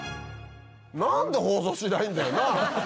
なんで放送しないんだよな！